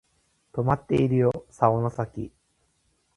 とまっているよ竿の先